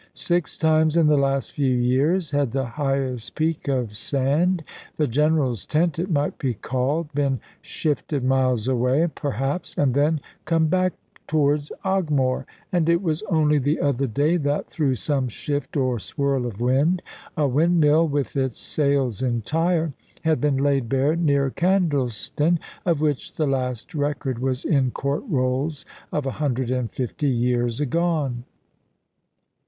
Six times in the last few years had the highest peak of sand the general's tent it might be called been shifted miles away, perhaps, and then come back towards Ogmore; and it was only the other day that, through some shift or swirl of wind, a windmill, with its sails entire, had been laid bare near Candleston, of which the last record was in Court rolls of a hundred and fifty years agone.